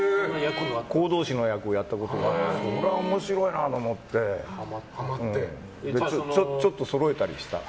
香道師の役をやったことがあるんですけど面白いなと思ってハマってちょっとそろえたりした。